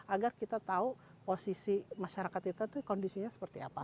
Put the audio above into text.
agar kita tahu posisi masyarakat kita itu kondisinya seperti apa